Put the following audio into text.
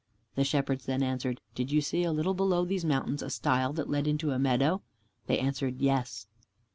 The Shepherds then answered, "Did you see a little below these mountains a stile that led into a meadow?" They answered, "Yes."